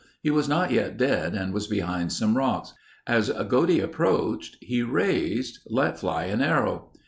He was not yet dead and was behind some rocks. As Godey approached he raised, let fly an arrow.